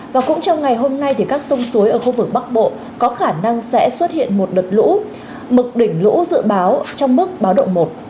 và cũng trong ngày hôm nay các sông suối ở khu vực bắc bộ có khả năng sẽ xuất hiện một đợt lũ mực đỉnh lũ dự báo trong mức báo động một